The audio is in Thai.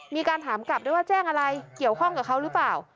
มีการถามกลับด้วยว่าแจ้งอะไรเกี่ยวข้องกับเขาหรือเปล่า